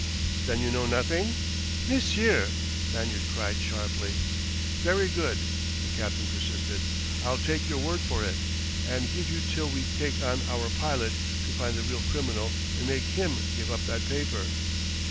"Then you know nothing ?" "Monsieur!" Lanyard cried sharply. "Very good," the captain persisted. "I'll take your word for it and give you till we take on our pilot to find the real criminal and make him give up that paper."